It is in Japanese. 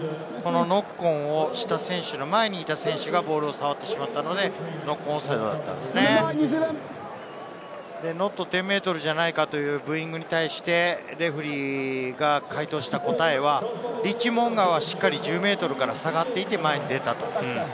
ノックオンをした選手の前にいた選手がボールを触ってしまったので、ノット１０ｍじゃないかというブーイングに対して、レフェリーが回答した答えは、リッチー・モウンガはしっかり１０ｍから下がっていて前に出た。